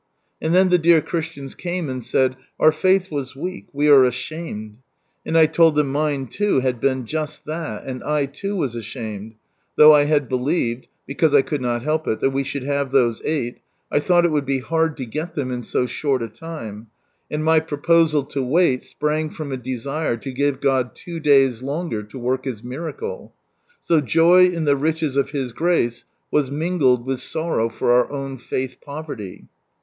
" And then the dear Christians came and said, " Our faith was weak : we are ashamed," and I told them mine too had been just that, and I too was ashamed ; though I had believed (because I could not help it) that we should have those eight, I thought It would be hard to get them in so short a time, and my proposal to wait sprang from a desire to give (jod two days longer to work His miracle. So joy in the riches of His grace was mingled with sorrow for our own faith poverty.